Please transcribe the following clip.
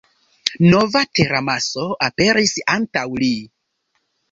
Nova teramaso aperis antaŭ li.